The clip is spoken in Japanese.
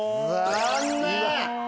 残念！